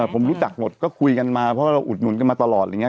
ผมรู้จักหมดก็คุยกันมาเพราะอุดหนุนกันมาตลอด